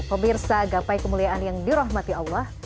pemirsa gapai kemuliaan yang dirahmati allah